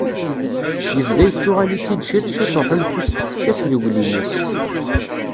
Yebda yettuɣal-itt-id ciṭ ciṭ uḥulfu s tfekka-s d uglim-is.